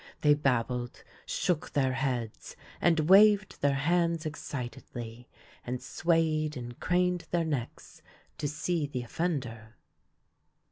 They bab bled, shook their heads, and waved their hands excit edly, and swayed and craned their necks to see the offender.